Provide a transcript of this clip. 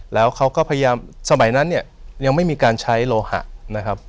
แล้วเขาก็พยายามสมัยนั้นเนี่ยยังไม่มีการใช้โลหะนะครับ